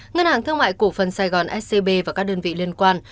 ngân hàng thương mại cổ phần sài gòn scb và các đơn vị liên quan